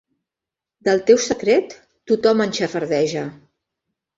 Del teu secret, tothom en xafardeja.